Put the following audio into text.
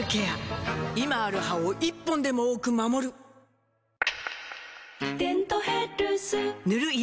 今ある歯を１本でも多く守る「デントヘルス」塗る医薬品も